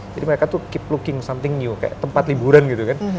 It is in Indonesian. jadi mereka tuh keep looking something new kayak tempat liburan gitu kan